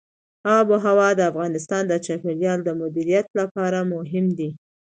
آب وهوا د افغانستان د چاپیریال د مدیریت لپاره مهم دي.